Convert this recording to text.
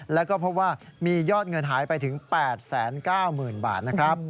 และก็เพราะว่ามียอดเงินหายไปถึง๘๙๐๐๐๐บาท